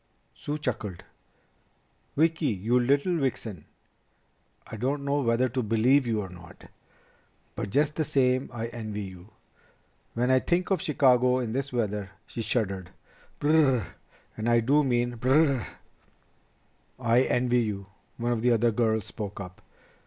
Sue chuckled. "Vicki, you little vixen, I don't know whether to believe you or not. But just the same I envy you. When I think of Chicago in this weather ..." She shuddered. "B r r r r! And I do mean B r r r!" "I envy you," one of the other girls spoke up.